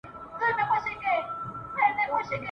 په بچو چي یې خوشاله زیږوه یې ..